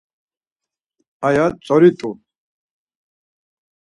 Aya tzorit̆u.